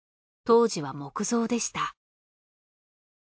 当時は木造でした。